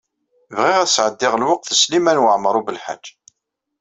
Bɣiɣ ad sɛeddiɣ lweqt d Smawil Waɛmaṛ U Belḥaǧ.